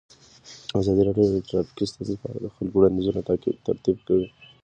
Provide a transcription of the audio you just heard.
ازادي راډیو د ټرافیکي ستونزې په اړه د خلکو وړاندیزونه ترتیب کړي.